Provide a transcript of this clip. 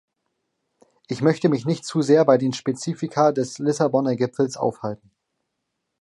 Ich möchte mich nicht zu sehr bei den Spezifika des Lissabonner Gipfels aufhalten.